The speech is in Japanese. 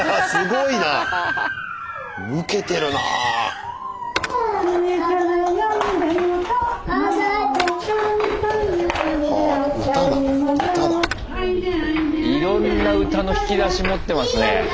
いろんな歌の引き出し持ってますね。